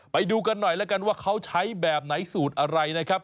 ไปดูกันหน่อยแล้วกันว่าเขาใช้แบบไหนสูตรอะไรนะครับ